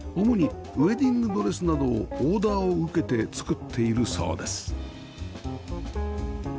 主にウェディングドレスなどをオーダーを受けて作っているそうです